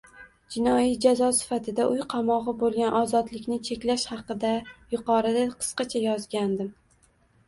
Jinoiy jazo sifatida uy qamog‘i bo‘lgan ozodlikni cheklash haqida yuqorida qisqacha yozgandim.